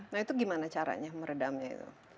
nah itu gimana caranya meredamnya itu